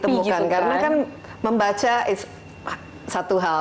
tapi apa yang ditemukan karena kan membaca is satu hal